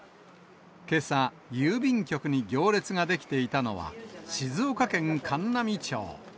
けさ、郵便局に行列が出来ていたのは、静岡県函南町。